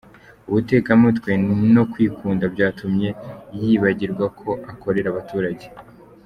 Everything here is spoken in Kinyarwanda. Ubutekamutwe no kwikunda byatumye yibagirwa ko akorera abaturage !